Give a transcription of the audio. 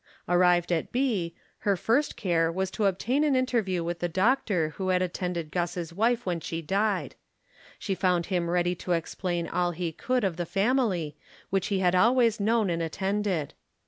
Arrived at B , her first care was to obtain an in terview with the doctor who had attended Guss's wife when she died. She found him ready to explain all he could of the family which he had always known and attended.